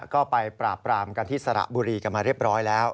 ก็ไปปราบปรามกันที่สระบุรีกันมาเรียบร้อยแล้ว